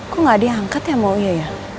kok gak diangkat ya mau iya ya